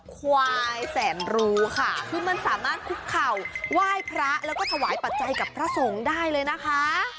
ควายแสนรู้ค่ะคือมันสามารถคุกเข่าไหว้พระแล้วก็ถวายปัจจัยกับพระสงฆ์ได้เลยนะคะ